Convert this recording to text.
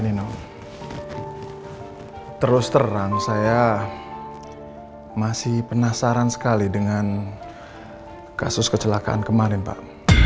ini pak nino terus terang saya masih penasaran sekali dengan kasus kecelakaan kemarin pak